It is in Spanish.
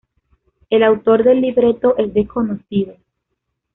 El autor del libreto es desconocido.